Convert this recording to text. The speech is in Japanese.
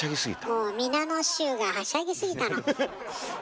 もう皆の衆がはしゃぎ過ぎたの。